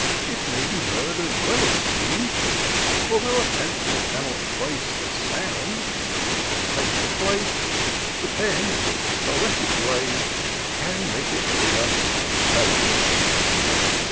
It may be heard as well as seen ; For, though a pencil cannot trace A sound as it can paint a place, The pen, in its poetic rage. Can make it figure on the page."